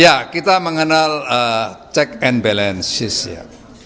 ya kita mengenal check and balances ya